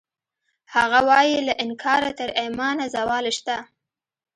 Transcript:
هغه وایی له انکاره تر ایمانه زوال شته